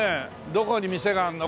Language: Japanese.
どこに店があるの？